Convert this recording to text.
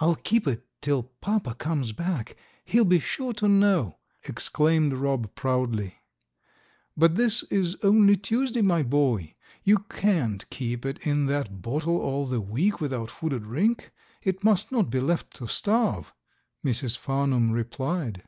"I'll keep it till papa comes back, he'll be sure to know!" exclaimed Rob proudly. "But this is only Tuesday, my boy. You can't keep it in that bottle all the week without food or drink. It must not be left to starve," Mrs. Farnum replied.